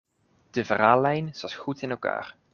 De verhaallijn zat goed in elkaar.